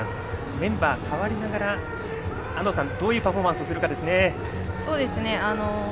メンバーが代わりながらどういうパフォーマンスをするかですね。